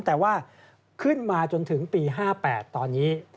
แต่ว่าขึ้นมาจนถึงปี๕๘ตอนนี้